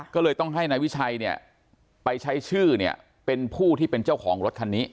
ก็เลยต้องให้นายวิชัยเนี่ยไปใช้ชื่อเนี่ยเป็นผู้ที่เป็นเจ้าของรถคันนี้